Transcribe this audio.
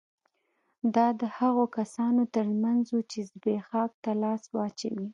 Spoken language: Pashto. دا د هغو کسانو ترمنځ وو چې زبېښاک ته لاس واچوي